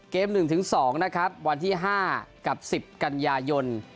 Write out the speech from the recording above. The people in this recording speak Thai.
เกม๑๒วันที่๕กับ๑๐กันยายน